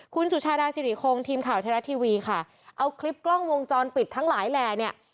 คุณสุชาดาสิริคงทีมข่าวไทยรัฐทีวีค่ะเอาคลิปกล้องวงจรปิดทั้งหลายแหล่เนี่ย